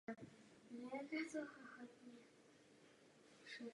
Nemá zde ovšem stanici.